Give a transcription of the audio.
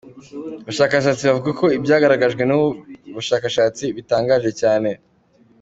Abashakashatsi bavuga ko ibyagaragajwe n'ubu bushakashatsi "bitangaje cyane".